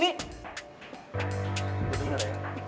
lo denger ya